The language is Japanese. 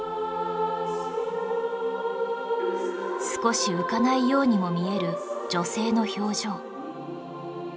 少し浮かないようにも見える女性の表情